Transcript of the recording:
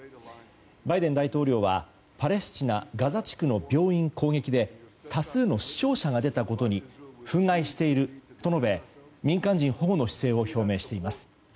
バイデン大統領はパレスチナ・ガザ地区の病院攻撃で多数の死傷者が出たことに憤慨していると述べ民間人保護の姿勢を表明しています。